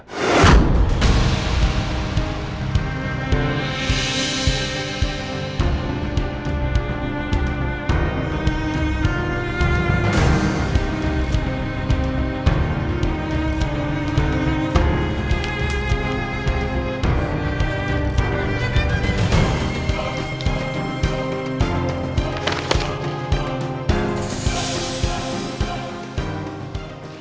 yaudah tidak chester pak